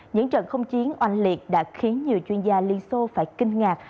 những trận không chiến oanh liệt đã khiến nhiều chuyên gia liên xô phải kinh ngạc